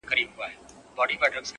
هغې په نيمه شپه ډېـــــوې بلــــي كړې،